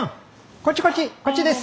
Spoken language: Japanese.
こっちこっちこっちです。